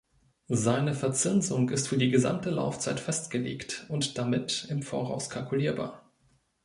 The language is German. Seine Verzinsung ist für die gesamte Laufzeit festgelegt und damit im Voraus kalkulierbar.